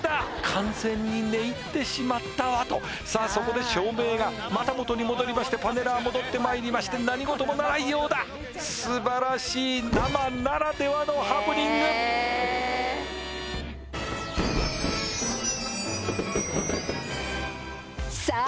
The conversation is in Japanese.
完全に寝入ってしまったわとさあそこで照明がまた元に戻りましてパネラー戻ってまいりまして何事もないようだ素晴らしい生ならではのハプニングさあ